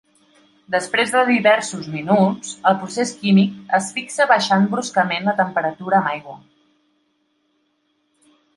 Després de diversos minuts, el procés químic es fixa baixant bruscament la temperatura amb aigua.